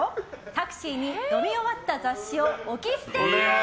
タクシーに読み終わった雑誌を置き捨て！